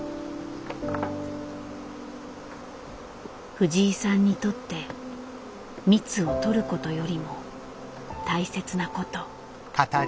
藤井さんにとって蜜を採ることよりも大切なこと。